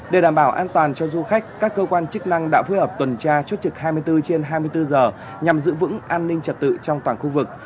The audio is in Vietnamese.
để đảm bảo an toàn cho du khách các cơ quan chức năng đã phối hợp tuần tra chốt trực hai mươi bốn trên hai mươi bốn giờ nhằm giữ vững an ninh trật tự trong toàn khu vực